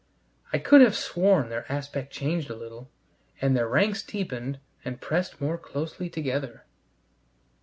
I could have sworn their aspect changed a little, and their ranks deepened and pressed more closely together.